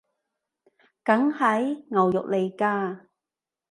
梗係！牛肉來㗎！